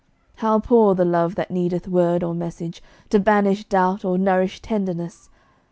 How poor the love that needeth word or message, To banish doubt or nourish tenderness!